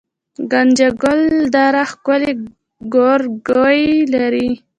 ګنجګل دره ښکلې ګورګوي لري